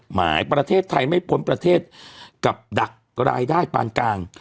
หมายประเทศไทยไม่พ้นประเทศกับดักรายได้ปานกลาง